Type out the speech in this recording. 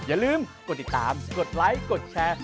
อย่าลืมกดติดตามกดไลค์กดแชร์